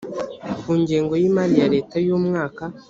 ku ngengo y imari ya leta y umwaka